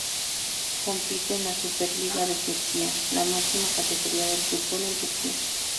Compite en la Superliga de Turquía, la máxima categoría del Fútbol en Turquía.